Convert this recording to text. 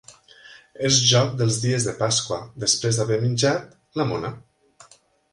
És joc dels dies de Pasqua, després d’haver menjat la mona.